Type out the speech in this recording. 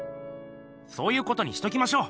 そういうことにしときましょう！